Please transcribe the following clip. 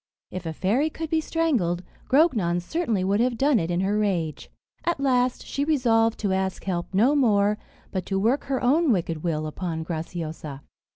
If a fairy could be strangled, Grognon certainly would have done it in her rage. At last, she resolved to ask help no more, but to work her own wicked will upon Graciosa.